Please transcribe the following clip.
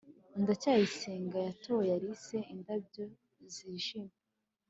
ndacyayisenga yatoye alice indabyo zijimye